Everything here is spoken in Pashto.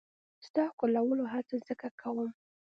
ستا ښکلولو هڅه ځکه کوم.